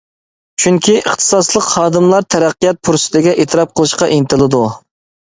چۈنكى، ئىختىساسلىق خادىملار تەرەققىيات پۇرسىتىگە، ئېتىراپ قىلىشقا ئىنتىلىدۇ.